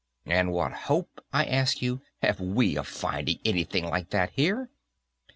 And what hope, I ask you, have we of finding anything like that here?